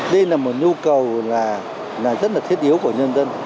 đây là một nhu cầu rất là thiết yếu của nhân dân